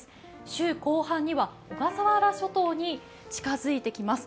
週後半には小笠原諸島に近づいてきます。